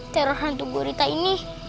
teror hantu gurita ini